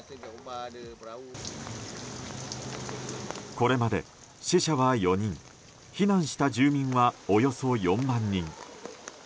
これまで死者は４人避難した住民はおよそ４万人。